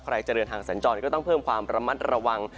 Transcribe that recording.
ใครจะเดินทางสัญจรก็ต้องเพิ่มความระมัดระวัง